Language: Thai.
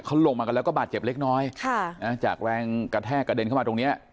เขาลงมากันแล้วก็บาดเจ็บเล็กน้อยค่ะนะจากแรงกระแทกกระเด็นเข้ามาตรงเนี้ย